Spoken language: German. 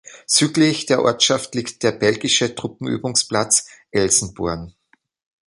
Südlich der Ortschaft liegt der belgische Truppenübungsplatz Elsenborn.